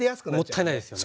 もったいないですよね。